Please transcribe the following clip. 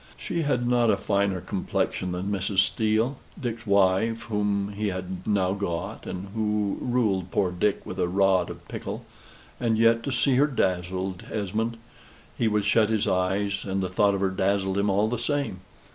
She had not a finer complexion than Mrs. Steele, (Dick's wife, whom he had now got, and who ruled poor Dick with a rod of pickle,) and yet to see her dazzled Esmond; he would shut his eyes, and the thought of her dazzled him all the same.